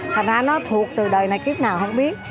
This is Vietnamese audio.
thành ra nó thuộc từ đời này kiếp nào không biết